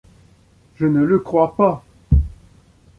je ne le croix pas